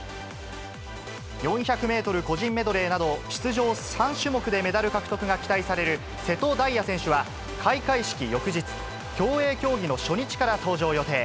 ４００メートル個人メドレーなど、出場３種目でメダル獲得が期待される瀬戸大也選手は、開会式翌日、競泳競技の初日から登場予定。